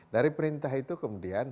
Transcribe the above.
dari perintah itu kemudian